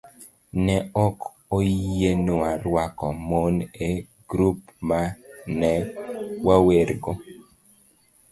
ne ok oyienwa rwako mon e grup ma ne wawerego.